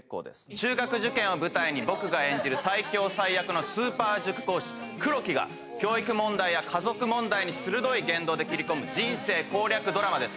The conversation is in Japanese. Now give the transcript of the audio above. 中学受験を舞台に僕が演じる最強最悪のスーパー塾講師黒木が教育問題や家族問題に鋭い言動で斬り込む人生攻略ドラマです。